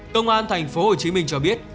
công an thành phố hồ chí minh cho biết